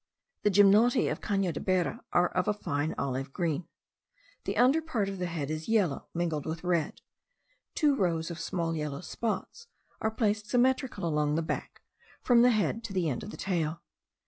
The gymnoti of the Cano de Bera are of a fine olive green. The under part of the head is yellow mingled with red. Two rows of small yellow spots are placed symmetrically along the back, from the head to the end of the tail.